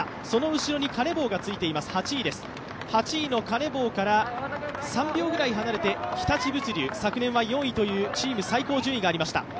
その後ろにカネボウがついています、８位のカネボウから３秒ぐらい離れて日立物流、昨年は４位というチーム最高順位がありました。